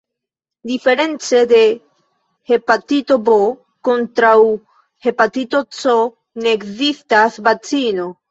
Diference de hepatito B, kontraŭ hepatito C ne ekzistas vakcino.